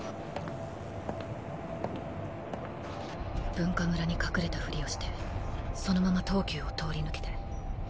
Ｂｕｎｋａｍｕｒａに隠れたふりをしてそのまま東急を通り抜けて。